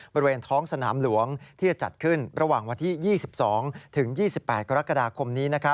บริเวณท้องสนามหลวงที่จะจัดขึ้นระหว่างวันที่๒๒ถึง๒๒๘กรกฎาคมนี้